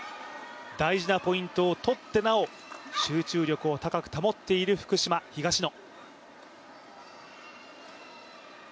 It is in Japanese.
大事なポイントをとってなお集中力を高く保っている福島・東野。